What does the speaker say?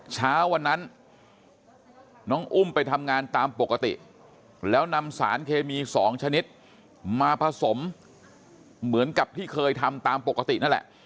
เช้าวันนั้นน้องอุ้มไปทำงานตามปกติแล้วนำสารเคมี๒ชนิดมาผสมเหมือนกับที่เคยทำตามปกตินั่นแหละ